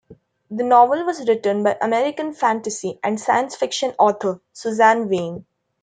The novel was written by American fantasy and science fiction author Suzanne Weyn.